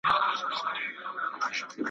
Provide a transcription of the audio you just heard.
را په زړه مي خپل سبق د مثنوي سي ,